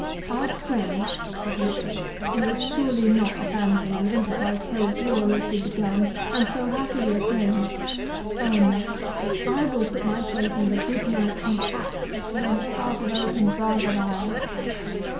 "Our friends," said Wilfred, "will surely not abandon an enterprise so gloriously begun and so happily attained.—O no! I will put my faith in the good knight whose axe hath rent heart of oak and bars of iron.